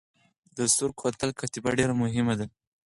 د سور کوتل کتیبه ډیره مهمه ده